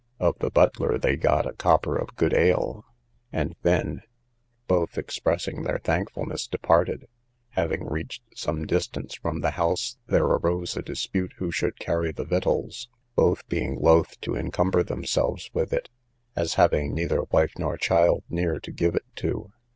Of the butler they got a copper of good ale, and then, both expressing their thankfulness, departed.—Having reached some distance from the house there arose a dispute who should carry the victuals, both being loath to incumber themselves with it, as having neither wife nor child near to give it to.